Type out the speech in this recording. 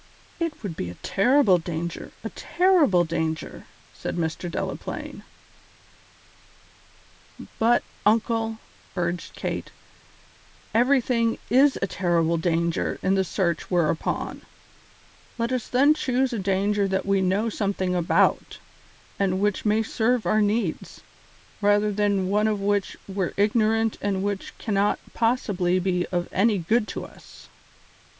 "It would be a terrible danger, a terrible danger," said Mr. Delaplaine. "But, uncle," urged Kate, "everything is a terrible danger in the search we're upon; let us then choose a danger that we know something about, and which may serve our needs, rather than one of which we're ignorant and which cannot possibly be of any good to us."